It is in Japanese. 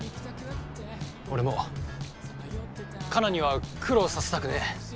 俺もカナには苦労させたくねえ。